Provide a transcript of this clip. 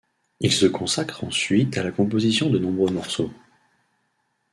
Il se consacre ensuite à la composition de nombreux morceaux.